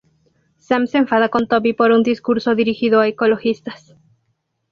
Sam se enfada con Toby por un discurso dirigido a Ecologistas.